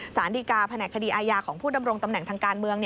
สารดีกาแผนกคดีอาญาของผู้ดำรงตำแหน่งทางการเมือง